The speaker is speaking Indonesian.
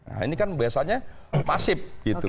nah ini kan biasanya pasif gitu